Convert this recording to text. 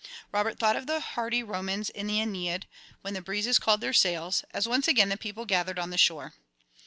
Robert thought of the hardy Romans in the Æneid, when "the breezes called their sails," as once again the people gathered on the shore.